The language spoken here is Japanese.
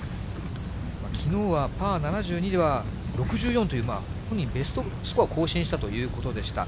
きのうは、パー７２では６４という、本人ベストスコア更新したということでした。